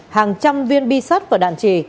hàng trăm viên bi sắt và đạn trì